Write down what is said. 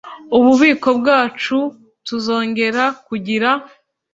ububiko bwacu tuzongera kugira